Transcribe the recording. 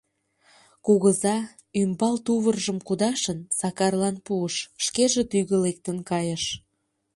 Кугыза, ӱмбал тувыржым кудашын, Сакарлан пуыш, шкеже тӱгӧ лектын кайыш.